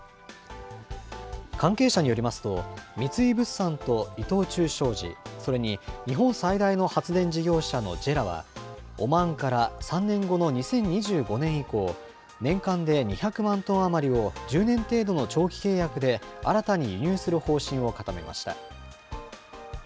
関係者によりますと、三井物産と伊藤忠商事、それに日本最大の発電事業者のＪＥＲＡは、オマーンから３年後の２０２５年以降、年間で２００万トン余りを、１０年程度の長期契約で新たに輸入する方針を固めました。